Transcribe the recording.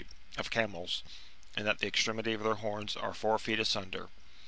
327 of camels, and that the extremity of their horns are four feet asunder.